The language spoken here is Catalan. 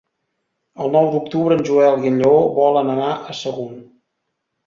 El nou d'octubre en Joel i en Lleó volen anar a Sagunt.